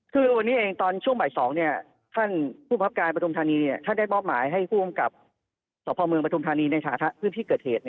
คือวันนี้เองตอนช่วงบ่าย๒ท่านผู้ประคับการประทุมธานีท่านได้มอบหมายให้ผู้กำกับสพเมืองปฐุมธานีในสถานะพื้นที่เกิดเหตุ